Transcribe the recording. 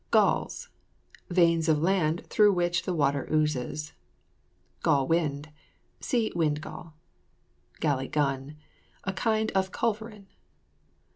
GALLS. Veins of land through which the water oozes. GALL WIND. See WIND GALL. GALLY GUN. A kind of culverin.